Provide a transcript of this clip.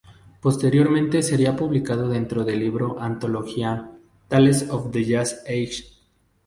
Posteriormente sería publicado dentro del libro antología "Tales of the Jazz Age".